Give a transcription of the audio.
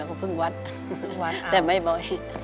ก็เพิ่งวัดแต่ไม่บ่อย